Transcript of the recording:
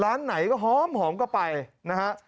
ร้านไหนก็หอมก็ไปนะฮะ